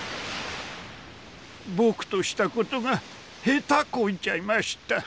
僕としたことが下手こいちゃいました。